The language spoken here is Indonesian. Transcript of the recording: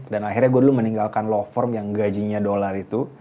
dan akhirnya gue dulu meninggalkan law firm yang gajinya dollar itu